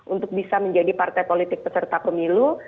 untuk bisa menjadi partai politik peserta pemilu